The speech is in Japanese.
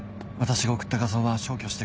私が送った画像は消去」。